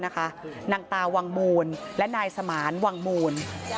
นางตาวังมูลและนายสมานวังมูล